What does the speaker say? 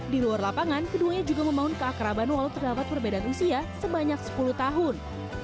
di luar lapangan keduanya juga membangun keakraban walau terdapat perbedaan usia sebanyak sepuluh tahun